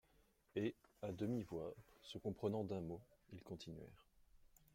Et, à demi-voix, se comprenant d'un mot, ils continuèrent.